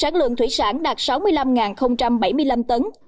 sản lượng thủy sản đạt sáu mươi năm bảy mươi năm tấn